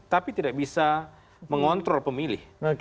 tapi tidak bisa mengontrol pemilih